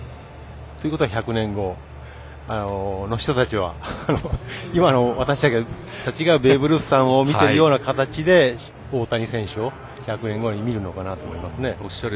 ということは１００年後の人たちは今の私たちがベーブ・ルースさんを見ている形で、大谷選手を１００年後に見るのかなと思います。